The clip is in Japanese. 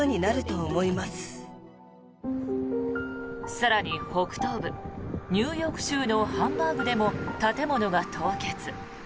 更に、北東部ニューヨーク州のハンバーグでも建物が凍結。